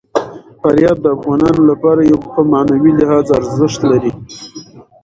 فاریاب د افغانانو لپاره په معنوي لحاظ ارزښت لري.